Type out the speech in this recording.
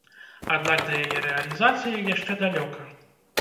Аднак да яе рэалізацыі яшчэ далёка.